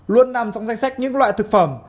luôn nằm trong danh sách những loại thực phẩm